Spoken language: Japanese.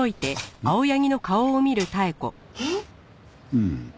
うん。